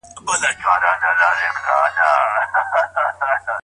انارګل غوښتل چې د رمې لپاره نوې څړځای پیدا کړي.